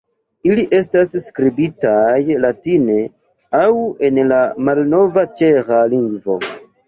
Ili estas skribitaj latine aŭ en la malnova ĉeĥa lingvo.